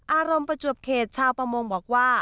อารมณ์ประจวบเขตชาวประมงบอกว่า